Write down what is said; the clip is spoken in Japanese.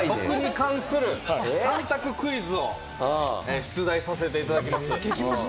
これから僕に関する３択クイズを出題させていただきます。